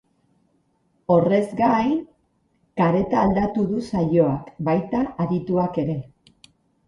Horrez gain, kareta aldatu du saioak, baita adituak ere.